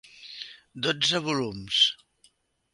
Dotze volums.